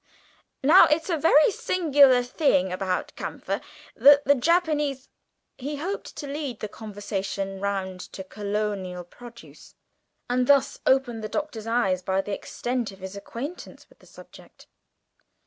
Now, it's a very singular thing about camphor, that the Japanese " (he hoped to lead the conversation round to colonial produce, and thus open the Doctor's eyes by the extent of his acquaintance with the subject).